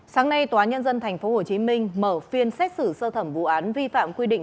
sáng nay tòa nhân dân tp hcm mở phiên xét xử sơ thẩm vụ án vi phạm quy định